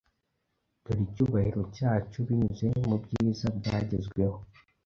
Doreicyubahiro cyacu binyuze mubyiza byagezweho